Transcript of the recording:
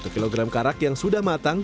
satu kg karak yang sudah matang